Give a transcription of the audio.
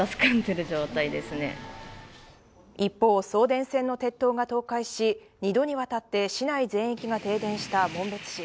一方、送電線の鉄塔が倒壊し、２度にわたって市内全域が停電した紋別市。